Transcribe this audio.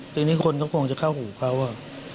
ทีนี้คนก็คงจะเข้าหูเขา